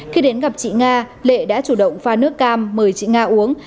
khi đến gặp chị nga lệ đã chủ động pha nước cam mời chị nga uống